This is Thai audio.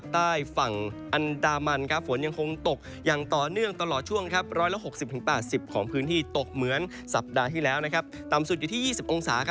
ตกเหมือนสัปดาห์ที่แล้วนะครับต่ำสุดอยู่ที่๒๐องศา